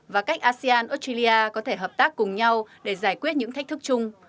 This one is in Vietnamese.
và cách asean australia có thể hợp tác cùng nhau để giải quyết những thách thức chung